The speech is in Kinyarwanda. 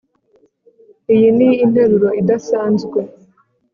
Iyi ni interuro idasanzwe